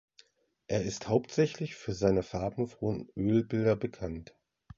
Er ist hauptsächlich für seine farbenfrohen Ölbilder bekannt.